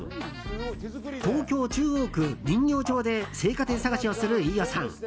東京・中央区人形町で青果店探しをする飯尾さん。